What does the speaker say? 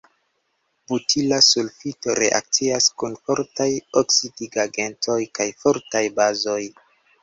Butila sulfito reakcias kun fortaj oksidigagentoj kaj fortaj bazoj.